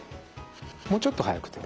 もうちょっと速くても。